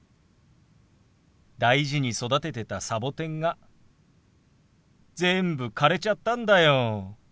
大事に育ててたサボテンが全部枯れちゃったんだよ。